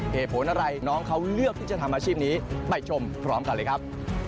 เหตุผลอะไรน้องเขาเลือกที่จะทำอาชีพนี้ไปชมพร้อมกันเลยครับ